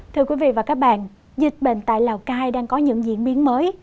thưa quý vị và các bạn dịch bệnh tại lào cai đang có những diễn biến mới